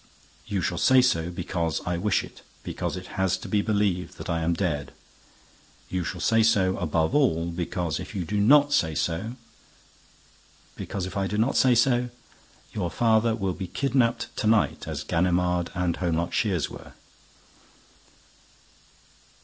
You shall say so because I wish it, because it has to be believed that I am dead. You shall say so, above all, because, if you do not say so—" "Because, if I do not say so—?" "Your father will be kidnapped to night, as Ganimard and Holmlock Shears were."